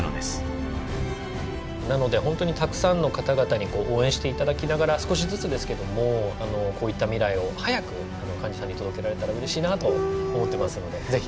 なので本当にたくさんの方々に応援して頂きながら少しずつですけどもこういった未来を早く患者さんに届けられたらうれしいなと思ってますのでぜひ。